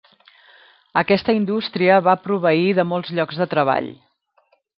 Aquesta indústria va proveir de molts llocs de treball.